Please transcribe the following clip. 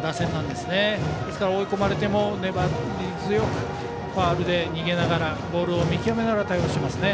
ですから追い込まれても粘り強くファウルで逃げながらボールを見極めながら対応していますね。